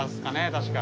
確か。